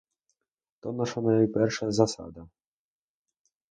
То наша найперша засада.